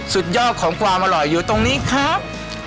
สุดยอดของความอร่อยอยู่ตรงนี้ครับ